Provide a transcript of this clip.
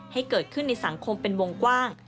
ให้เกิดขึ้นในสังคมเป็นวงกว้าง